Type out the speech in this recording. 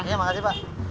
iya makasih pak